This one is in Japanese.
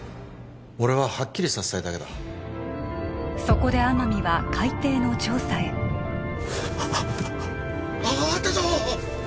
俺ははっきりさせたいだけだそこで天海は海底の調査へあああったぞ！